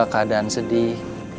duka keadaan sedih